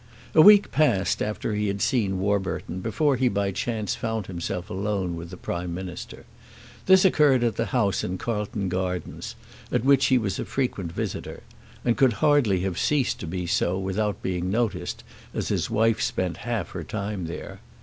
A week passed after he had seen Warburton before he by chance found himself alone with the Prime Minister. This occurred at the house in Carlton Gardens, at which he was a frequent visitor, and could hardly have ceased to be so without being noticed, as his wife spent half her time there.